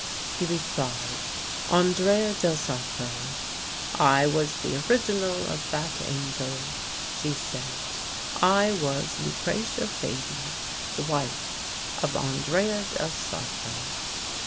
He replied, "Andrea del Sarto." "I was the original of that angel," she said. "I was Lucrezia Fedi, the wife of Andrea del Sarto."